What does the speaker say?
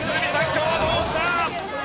今日はどうした？